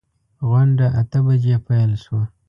غونډه اته بجې پیل شوه.